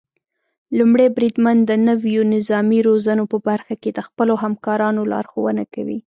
لومړی بریدمن د نويو نظامي روزنو په برخه کې د خپلو همکارانو لارښونه کوي.